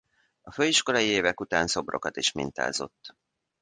A főiskolai évek után szobrokat is mintázott.